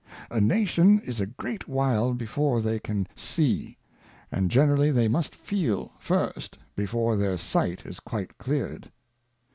A Nation is a great while bejpj e theyj; an see, and generally they must feel first before their Sight is quite cleared.